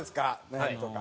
悩みとか。